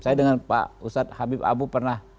saya dengan pak ustadz habib abu pernah